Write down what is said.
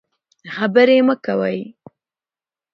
د خبرې مه کوئ.